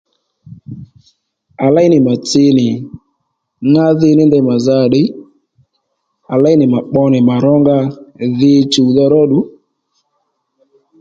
À léy nì mà tsi nì ŋá dhi ní ndey mà za ò ddiy à léy nì mà pbo nì mà rónga dhi chùwdha ródù